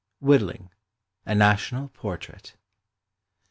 WHITTLING. A NATIONAL PORTRAIT.